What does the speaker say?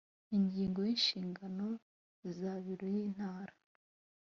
ingingo ya inshingano za biro y intara